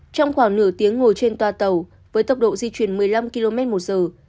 trong khoảng nửa tiếng ngồi trên toa tàu với tốc độ di chuyển một mươi năm km một giờ